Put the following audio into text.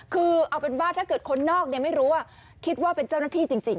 คือเอาเป็นว่าถ้าเกิดคนนอกไม่รู้ว่าคิดว่าเป็นเจ้าหน้าที่จริง